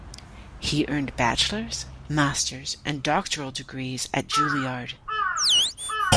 He earned Bachelors, Masters, and Doctoral degrees at Juilliard.